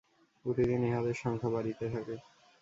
প্রতিদিন ইহাদের সংখ্যা বাড়িতে থাকে।